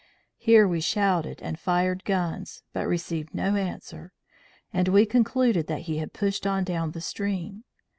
Here we shouted and fired guns, but received no answer; and we concluded that he had pushed on down the stream.